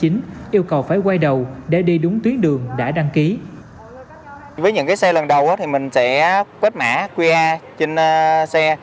những xe lần đầu mình sẽ quét mã qr trên xe